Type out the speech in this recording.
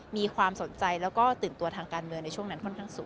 มีความสนใจแล้วก็ตื่นตัวทางการเมืองในช่วงนั้นค่อนข้างสูง